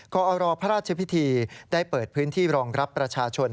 กรพระราชพิธีได้เปิดพื้นที่รองรับประชาชน